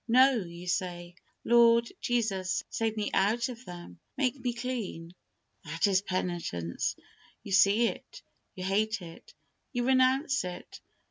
No; you say, "Lord Jesus, save me out of them. Make me clean." That is penitence. You see it. You hate it. You renounce it.